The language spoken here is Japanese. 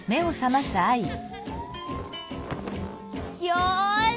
よし！